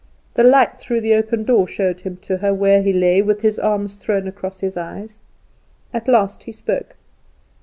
The light through the open door showed him to her, where he lay, with his arm thrown across his eyes. At last he spoke.